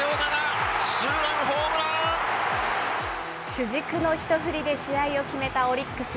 主軸の一振りで試合を決めたオリックス。